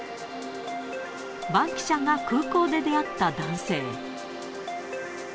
バンキシャが空港で出会った男性。